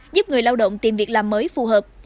giúp người lao động tìm việc làm mới phù hợp